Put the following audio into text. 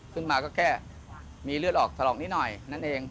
ขึ้นมาก็แค่มีเลือดออกถลอกนิดหน่อยนั่นเอง